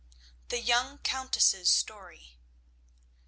THE YOUNG COUNTESS'S STORY.